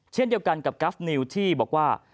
เช่นเดียวกันกับกราฟนิวที่บอกว่า